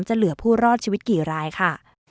เหลือผู้รอดชีวิตกี่รายค่ะ